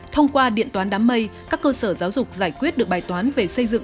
thông qua điện toán đám mây các cơ sở giáo dục giải quyết được bài toán về xây dựng